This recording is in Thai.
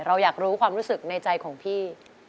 เราอยากรู้ความรู้สึกในใจของพี่